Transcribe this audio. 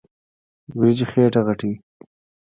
وريجې خيټه غټوي.